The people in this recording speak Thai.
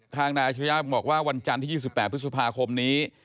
ทางนายชิคกี้พายบอกว่าวันจันทร์ที่๒๘พฤษภาคมนี้